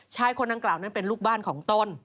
ชายคนนั้นกล่าวนั้นเป็นลูกบ้านของตน